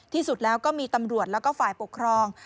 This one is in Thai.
ที่สุดแล้วก็มีตำรวจแล้วก็ฝ่ายปกครอง